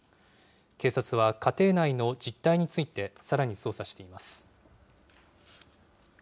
警察は家庭内の実態についてさらに捜査しています。